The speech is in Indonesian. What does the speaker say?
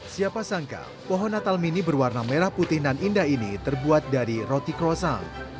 siapa sangka pohon natal mini berwarna merah putih dan indah ini terbuat dari roti krosan